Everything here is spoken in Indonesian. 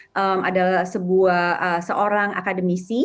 saya adalah sebuah seorang akademisi